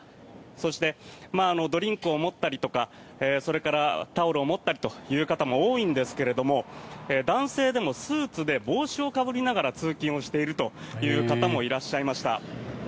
そして、ドリンクを持ったりとかそれからタオルを持ったりとかという方も多いんですけれども男性でもスーツで帽子をかぶりながら通勤しているという方もいらっしゃいました。